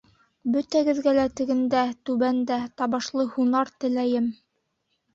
Бөтәгеҙгә лә тегендә, түбәндә, табышлы һунар теләйем!